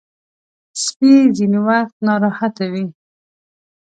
سپي ځینې وخت ناراحته وي.